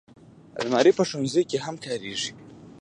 الماري په ښوونځي کې هم کارېږي